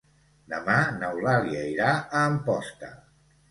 Demà n'Eulàlia irà a Amposta.